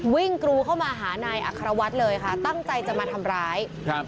วิ่งกรูเข้ามาหานายอัครวัดเลยค่ะตั้งใจจะมาทำร้าย